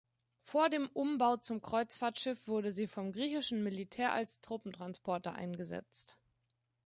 Vor dem Umbau zum Kreuzfahrtschiff wurde sie vom griechischen Militär als Truppentransporter eingesetzt.